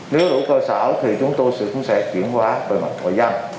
nếu đủ cơ sở chúng tôi sẽ chuyển qua về mặt vội văn